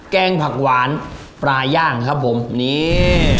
แกงผักหวานปลาย่างครับผมนี่